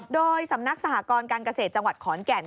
โดยสำนักสหกรการเกษตรจังหวัดขอนแก่น